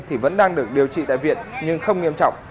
thì vẫn đang được điều trị tại viện nhưng không nghiêm trọng